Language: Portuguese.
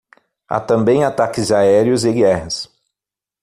Há também ataques aéreos e guerras